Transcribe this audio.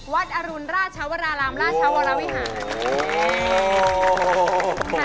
อรุณราชวรารามราชวรวิหาร